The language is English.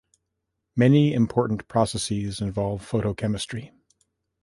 Many important processes involve photochemistry.